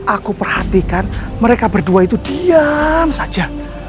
aku perhatikan mereka berdua itu diam saja